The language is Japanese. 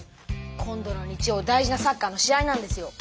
今度の日曜大事なサッカーの試合なんですよ。